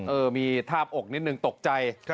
เออมีทาบอกนิดนึงตกใจ